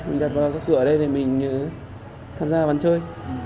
mình đặt vào các cửa đây để mình tham gia bán chơi